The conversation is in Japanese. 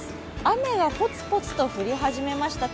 雨がぽつぽつと降り始めました。